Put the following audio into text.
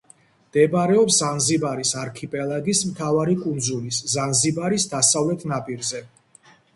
მდებარეობს ზანზიბარის არქიპელაგის მთავარი კუნძულის, ზანზიბარის დასავლეთ ნაპირზე.